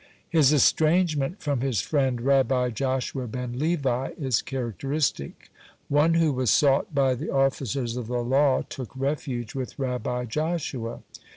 (65) His estrangement from his friend Rabbi Joshua ben Levi is characteristic. One who was sought by the officers of the law took refuge with Rabbi Joshua.